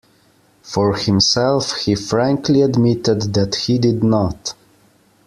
For himself, he frankly admitted that he did not.